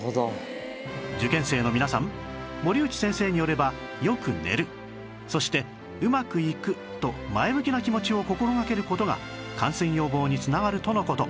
受験生の皆さん森内先生によればよく寝るそして「うまくいく！」と前向きな気持ちを心掛ける事が感染予防に繋がるとの事